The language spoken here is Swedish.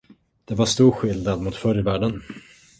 Det var stor skillnad mot förr i världen.